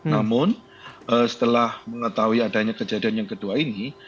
namun setelah mengetahui adanya kejadian yang kedua ini